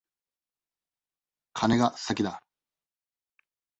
カネが先だ。